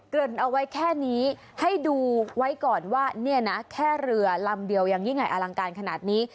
ริ่นเอาไว้แค่นี้ให้ดูไว้ก่อนว่าเนี่ยนะแค่เรือลำเดียวยังยิ่งใหญ่อลังการขนาดนี้